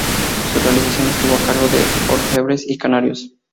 Su realización estuvo a cargo de orfebres canarios.